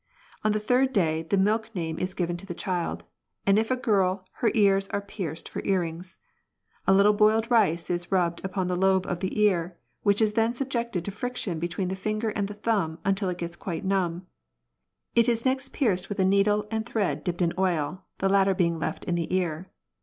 On the third day the milk name is given to the child, and if a girl her ears are pierced for earrings. A little boiled rice is rubbed upon the lobe of the ear, which is then subjected to friction between the finger and thumb until it gets quite numb : it is next pierced with a needle and thread dipped in oil, the latter being left in the ear.